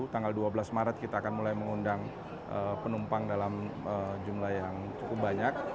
tanggal dua belas maret kita akan mulai mengundang penumpang dalam jumlah yang cukup banyak